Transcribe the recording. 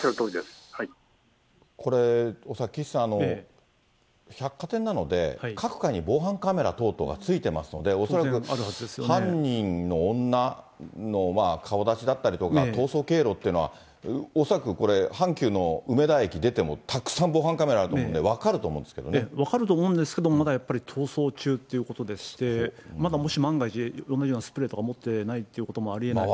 これ、岸さん、百貨店なので、各階に防犯カメラ等々がついてますので、恐らく犯人の女の顔立ちだったりとか、逃走経路というのは恐らくこれ、阪急の梅田駅出ても、たくさん防犯カメラあると思うんで、分かると思うんですけど、まだやっぱり逃走中ということでして、まだもし万が一、同じようなスプレーを持ってないということもありえない。